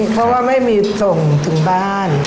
เพราะว่าไม่มีส่งถึงบ้าน